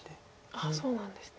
そうなんですね。